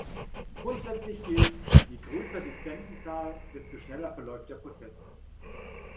Grundsätzlich gilt: je größer die Stanton-Zahl, desto schneller verläuft der Prozess.